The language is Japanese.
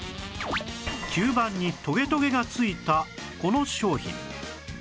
吸盤にトゲトゲが付いたこの商品